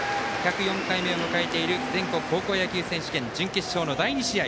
１０４回目を迎えている全国高校野球選手権準決勝の第２試合。